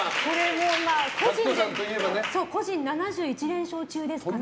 個人７１連勝中ですから。